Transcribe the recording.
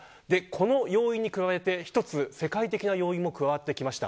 この要因に加えて一つ世界的な要因も加わりました。